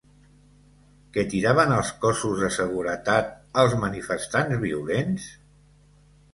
Què tiraven als cossos de seguretat els manifestants violents?